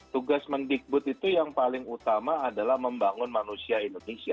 tugas mendikbud itu yang paling utama adalah membangun manusia indonesia